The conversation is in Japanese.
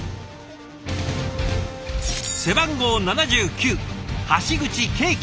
背番号７９橋口慶希